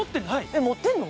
えっ持ってんの？